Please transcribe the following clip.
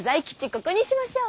ここにしましょう。